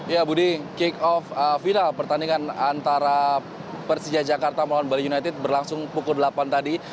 ya budi kick off final pertandingan antara persija jakarta melawan bali united berlangsung pukul delapan tadi